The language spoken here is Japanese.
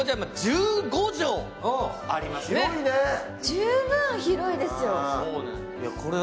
十分広いですよ。